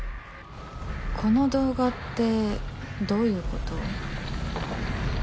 この動画ってどういう事？